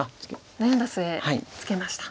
悩んだ末ツケました。